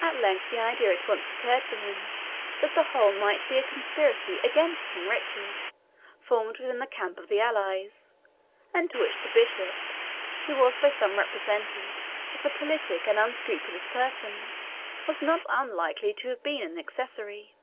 At length the idea occurred at once to him that the whole might be a conspiracy against King Richard, formed within the camp of the allies, and to which the bishop, who was by some represented as a politic and unscrupulous person, was not unlikely to have been accessory.